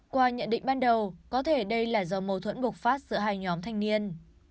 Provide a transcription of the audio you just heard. qua nhận định ban đầu có thể đây là do mâu thuẫn bộc phát giữa hai nhóm thanh niên